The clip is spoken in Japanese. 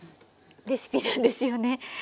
レシピなんですよね。